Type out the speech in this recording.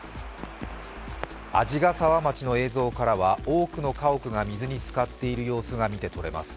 鯵ヶ沢町の映像からは多くの家屋が水につかっている様子が見てとれます。